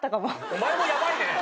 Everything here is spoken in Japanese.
お前もヤバいね。